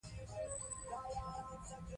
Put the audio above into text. په طبیعت کې ګرځېدل او ډلهییز فعالیت فشار کموي.